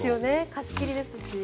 貸し切りですし。